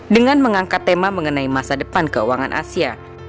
dengan mengangkat tema mengenai masa depan keuangan asia